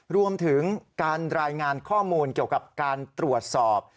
รวมถึงการรายงานข้อมูลเกี่ยวกับการตรวจสอบ